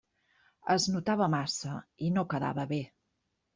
Es notava massa i no quedava bé.